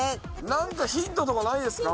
何かヒントとかないですか？